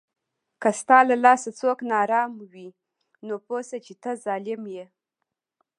که ستا له لاسه څوک ناارام وي، نو پوه سه چې ته ظالم یې